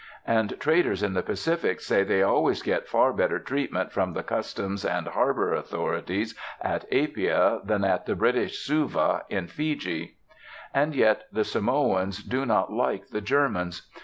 And traders in the Pacific say they always get far better treatment from the customs and harbour authorities at Apia than at the British Suva, in Fiji. And yet the Samoans do not like the Germans.